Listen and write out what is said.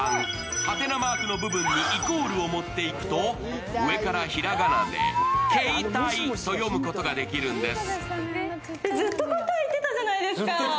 ハテナマークのところにイコールを持ってくると上から平仮名で、けいたいと読むことができるんです。